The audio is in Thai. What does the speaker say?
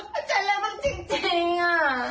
มันจะอะไรมันจริงอะ